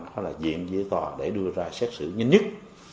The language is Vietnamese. hoặc là diện giới tòa để đưa ra xét xử nhanh nhất